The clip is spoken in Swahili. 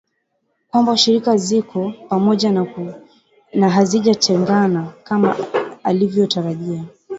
kwamba ushirika ziko pamoja na hazijatengana kama alivyotarajia